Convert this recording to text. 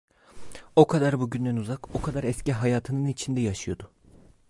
O kadar bugünden uzak, o kadar eski hayatının içinde yaşıyordu.